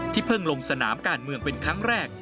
เพิ่งลงสนามการเมืองเป็นครั้งแรก